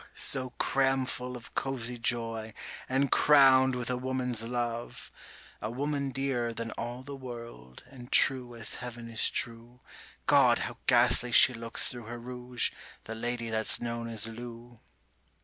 so cramful of cosy joy, and crowned with a woman's love A woman dearer than all the world, and true as Heaven is true (God! how ghastly she looks through her rouge, the lady that's known as Lou).